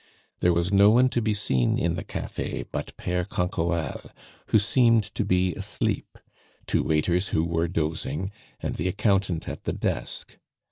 There was no one to be seen in the cafe but Pere Canquoelle, who seemed to be asleep, two waiters who were dozing, and the accountant at the desk.